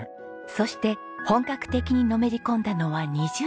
そして本格的にのめり込んだのは２０代。